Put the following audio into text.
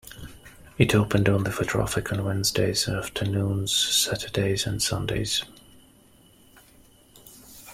It opened only for traffic on Wednesdays afternoons, Saturdays and Sundays.